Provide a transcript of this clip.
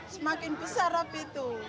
semakin besar api itu